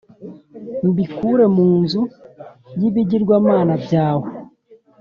mbikure mu nzu y’ibigirwamana byawe